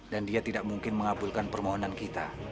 dan dia tidak mungkin mengabulkan permohonan kita